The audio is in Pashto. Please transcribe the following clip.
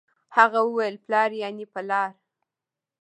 هغه وويل پلار يعنې په لار